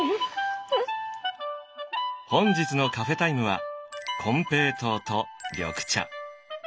本日のカフェタイムは金平糖と緑茶。